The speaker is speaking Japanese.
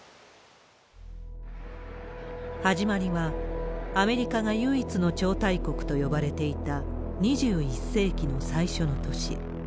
始まりは、アメリカが唯一の超大国と呼ばれていた２１世紀の最初の年。